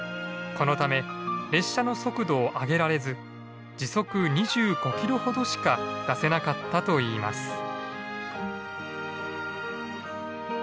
このため列車の速度を上げられず時速２５キロほどしか出せなかったといいます。